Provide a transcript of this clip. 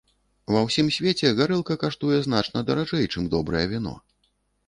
Ва ўсім свеце гарэлка каштуе значна даражэй, чым добрае віно.